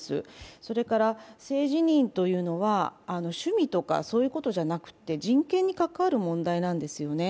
それから性自認というのは趣味とかそういうものではなくて人権に関わる問題なんですよね。